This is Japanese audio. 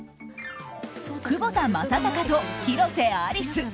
窪田正孝と広瀬アリス。